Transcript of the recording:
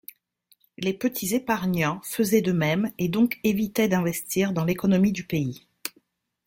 Les petits épargnants faisaient de même et donc évitaient d'investir dans l'économie du pays.